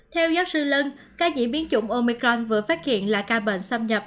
theo giáo sư lân ca diễn biến chủng omicron vừa phát hiện là ca bệnh xâm nhập